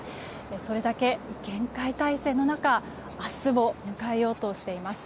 それだけ厳戒態勢の中明日を迎えようとしています。